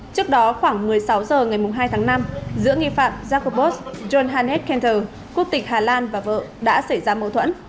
trước đó khoảng một mươi sáu h ngày hai tháng năm giữa nghi phạm jacobos john hannes cantor quốc tịch hà lan và vợ đã xảy ra mâu thuẫn